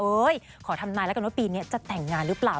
ขอทำนายแล้วกันว่าปีนี้จะแต่งงานหรือเปล่า